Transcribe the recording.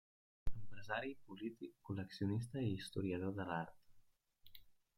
Empresari, polític, col·leccionista i historiador de l'art.